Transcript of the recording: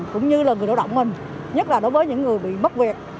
cũng như là người lao động mình nhất là đối với những người bị mất việc